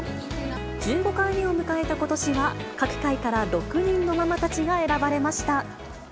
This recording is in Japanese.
１５回目を迎えたことしは、各界から６人のママたちが選ばれました。